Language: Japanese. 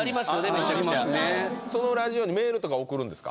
めちゃくちゃそのラジオにメールとか送るんですか？